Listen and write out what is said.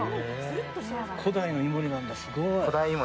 古代のイモリなんてすごい。